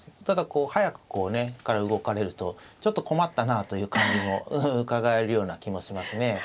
ただこう早くから動かれるとちょっと困ったなという感じもうかがえるような気もしますね。